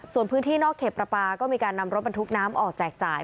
ส่วนพื้นที่นอกเขตประปาก็มีการนำรถบรรทุกน้ำออกแจกจ่าย